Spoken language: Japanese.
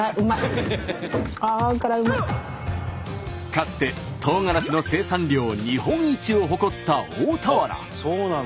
かつてとうがらしの生産量日本一を誇った大田原。